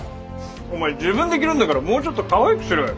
お前自分で着るんだからもうちょっとかわいくしろよ。